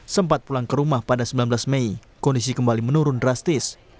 sempat pulang ke rumah pada sembilan belas mei kondisi kembali menurun drastis